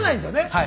はい。